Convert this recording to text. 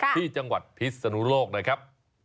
ที่จังหวัดพิศนุโลกนะครับ